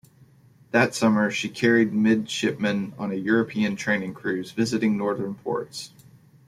That summer, she carried midshipmen on a European training cruise, visiting northern ports.